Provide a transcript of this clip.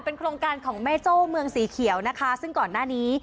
โครงการของแม่โจ้เมืองสีเขียวนะคะซึ่งก่อนหน้านี้